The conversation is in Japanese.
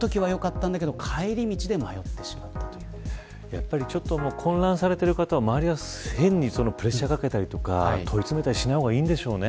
やっぱり混乱されてる方は周りが変にプレッシャーかけたりとか問い詰めたりしない方がいいんでしょうね。